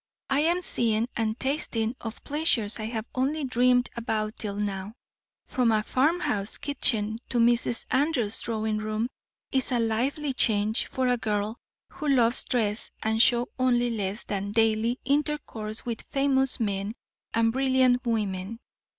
I am seeing and tasting of pleasures I have only dreamed about till now. From a farmhouse kitchen to Mrs. Andrews's drawing room is a lively change for a girl who loves dress and show only less than daily intercourse with famous men and brilliant women.